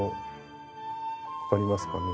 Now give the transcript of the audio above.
わかりますかね？